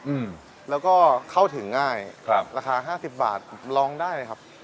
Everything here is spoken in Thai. อืมแล้วก็เข้าถึงง่ายครับราคาห้าสิบบาทร้องได้ครับ